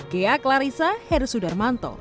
ghea clarissa heru sudarmanto